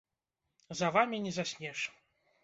За вамі не заснеш.